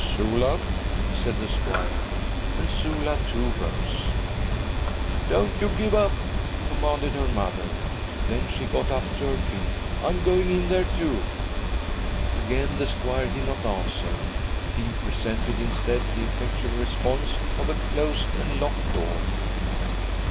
'Sula!' said the squire; and Sula, too, rose. 'Don't you give up,' commanded her mother. Then she got to her feet. 'I'm going in there, too.' Again the squire did not answer. He presented instead the effectual response of a closed and locked door.